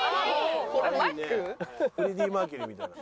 フレディ・マーキュリーみたいな。